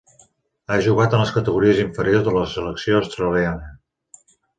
Ha jugat en les categories inferiors de la selecció australiana.